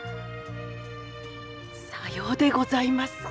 さようでございますか。